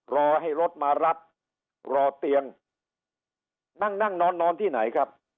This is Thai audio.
รอให้รถมารับรอเตียงนั่งนั่งนอนนอนที่ไหนครับ